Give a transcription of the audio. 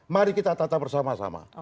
mari kita tata bersama sama